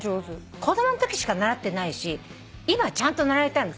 子供のときしか習ってないし今ちゃんと習いたいの。